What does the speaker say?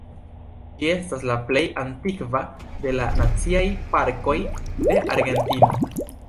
Ĝi estas la plej antikva de la Naciaj Parkoj de Argentino.